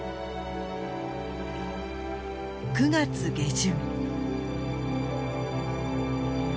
９月下旬。